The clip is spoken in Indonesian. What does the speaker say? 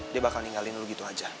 dia bakal ninggalin lu gitu aja